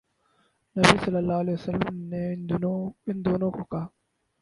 نبی صلی اللہ علیہ وسلم نے ان دونوں کو کہا